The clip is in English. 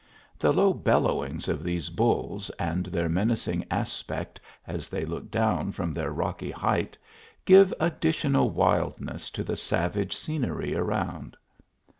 The low bellowings of these bulls, and their menacing aspect as they look down from their rocky height, give additional wild ness to the savage scenery around.